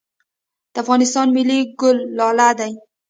د افغانستان ملي ګل لاله دی